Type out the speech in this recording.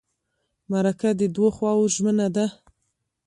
مرکه د دوو خواوو ژمنه ده.